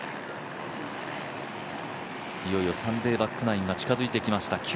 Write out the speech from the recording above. いよいよサンデーバックナインが近づいてきました。